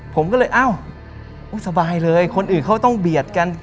ผมก็เลยเอ้าสบายเลยคนอื่นเขาต้องเบียดกัน